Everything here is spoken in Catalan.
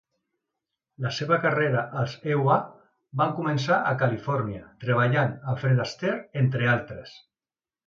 La seva carrera als EUA va començar a Califòrnia, treballant amb Fred Astaire, entre altres.